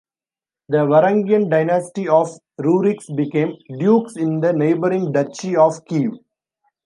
The Varangian dynasty of Ruriks became dukes in the neighboring Duchy of Kiev.